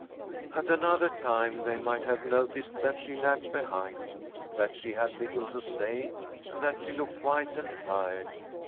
At another time they might have noticed that she lagged behind, that she had little to say, and that she looked white and tired.